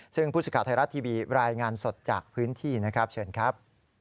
ซึ่งผู้สื่อข่าวไทยรัฐทีวีรายงานสดจากพื้นที่นะครับเชิญครับ